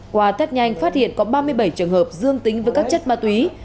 qua tết nhanh phát hiện có ba mươi bảy trường hợp dương tính với các chất ma túy